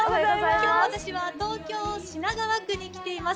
今日、私は東京・品川区に来ています。